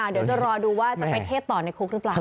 เดี๋ยวจะรอดูว่าจะไปเทศต่อในคุกหรือเปล่า